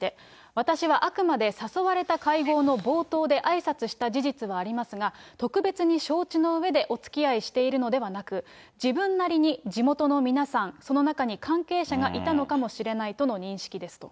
私はあくまで誘われた会合の冒頭であいさつした事実はありますが、特別に承知のうえで、おつきあいしているのでなく、自分なりに地元の皆さん、その中に関係者がいたのかもしれないと、認識ですと。